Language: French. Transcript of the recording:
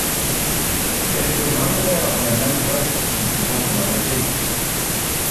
Quelque vingt heures dans la malle-poste ne sont pas pour l'arrêter.